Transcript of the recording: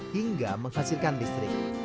hingga menghasilkan listrik